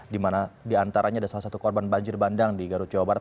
di mana diantaranya ada salah satu korban banjir bandang di garut jawa barat